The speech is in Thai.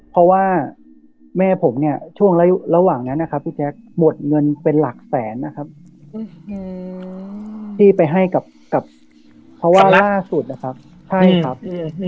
เพราะว่าแม่ผมเนี่ยช่วงระหว่างนั้นนะครับพี่แจ๊คหมดเงินเป็นหลักแสนนะครับที่ไปให้กับเขาว่าล่าสุดนะครับใช่ครับ